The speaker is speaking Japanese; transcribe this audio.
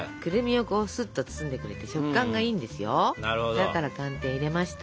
だから寒天入れました。